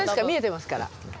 見えてますから。